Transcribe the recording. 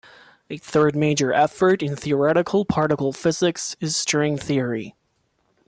A third major effort in theoretical particle physics is string theory.